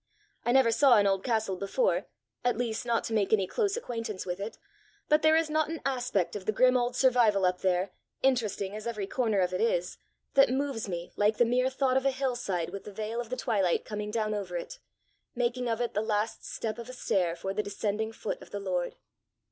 I never saw an old castle before at least not to make any close acquaintance with it, but there is not an aspect of the grim old survival up there, interesting as every corner of it is, that moves me like the mere thought of a hill side with the veil of the twilight coming down over it, making of it the last step of a stair for the descending foot of the Lord."